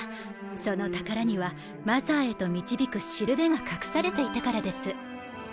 その宝にはマザーへと導く標が隠されていたからです。